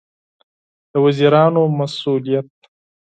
د وزیرانو مسوولیت